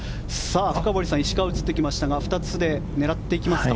深堀さん石川が映ってきましたが２つで狙ってきますか？